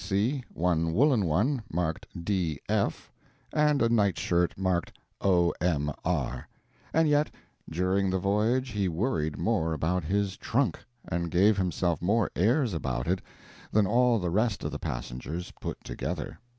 W. C." one woollen one marked "D. F." and a night shirt marked "O. M. R." And yet during the voyage he worried more about his "trunk," and gave himself more airs about it, than all the rest of the passengers put together.